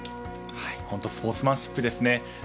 本当スポーツマンシップですね。